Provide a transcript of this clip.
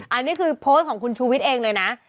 อันนี้คือโพสต์ของคุณชูวิทย์เองเลยนะ